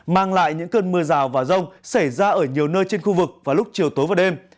mang lại những cơn mưa rào và rông xảy ra ở nhiều nơi trên khu vực vào lúc chiều tối và đêm